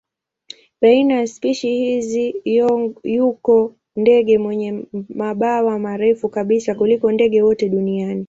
Baina ya spishi hizi yuko ndege wenye mabawa marefu kabisa kuliko ndege wote duniani.